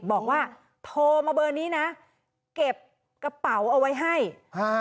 บอกว่าโทรมาเบอร์นี้นะเก็บกระเป๋าเอาไว้ให้ฮะ